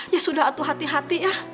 ya sudah hati hati ya